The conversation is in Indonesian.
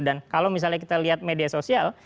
dan kalau misalnya kita lihat media sosial